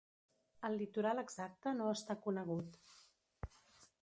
El litoral exacte no està conegut.